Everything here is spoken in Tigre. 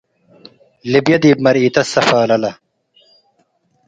ልብዬ ዲብ መርኢተ ትሰፋለለ